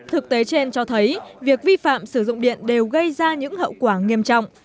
thực tế trên cho thấy việc vi phạm sử dụng điện đều gây ra những hậu quả nghiêm trọng